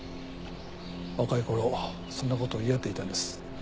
若い頃そんなことを言い合っていたんです。